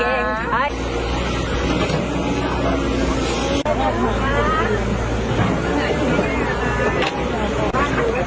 หัวขาดหัวขาด